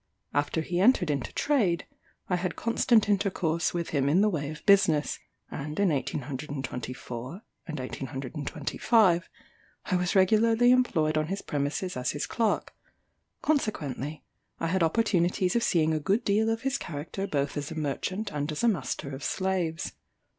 After he entered into trade, I had constant intercourse with him in the way of business; and in 1824 and 1825, I was regularly employed on his premises as his clerk; consequently, I had opportunities of seeing a good deal of his character both as a merchant, and as a master of slaves.